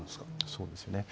そうですね。